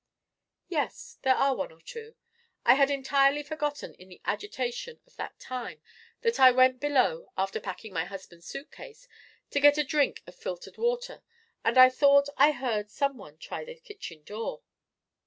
"Yes, there are one or two. I had entirely forgotten in the agitation of that time that I went below, after packing my husband's suitcase, to get a drink of filtered water and thought I heard some one try the kitchen door.